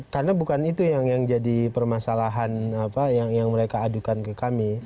karena bukan itu yang jadi permasalahan yang mereka adukan ke kami